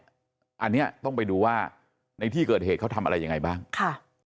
อันนี้ต้องไปดูว่าในที่เกิดเหตุเขาทำอะไรยังไงบ้างค่ะ